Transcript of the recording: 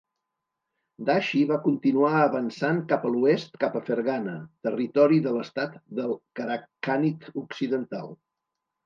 Dashi va continuar avançant cap a l'oest cap a Ferghana, territori de l'estat del Karakhanid Occidental.